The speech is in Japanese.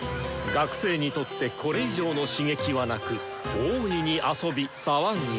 学生にとってこれ以上の刺激はなく大いに遊び騒ぎ。